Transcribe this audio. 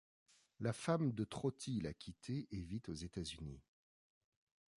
La femme de Trotti l'a quitté et vit aux États- Unis.